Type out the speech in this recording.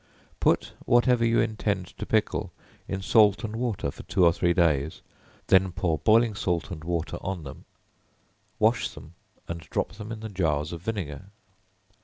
Put whatever you intend to pickle in salt and water for two or three days; then pour boiling salt and water on them; wash them and drop them in the jars of vinegar.